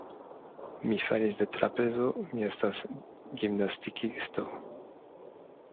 Mi falis de trapezo, mi estas gimnastikisto.